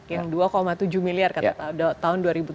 yang dua tujuh miliar kata tahun dua ribu tujuh belas